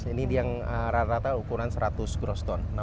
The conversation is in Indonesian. beres yang rata rata ukuran seratus grosston